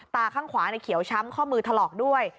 ตาข้างขวาเขียวช้ำข้อมือถลอกด้วย